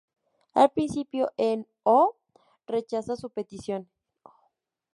Al principio, Eun Oh rechaza su petición.